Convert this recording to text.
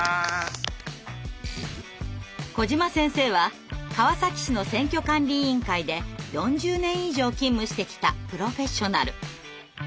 小島先生は川崎市の選挙管理委員会で４０年以上勤務してきたプロフェッショナル。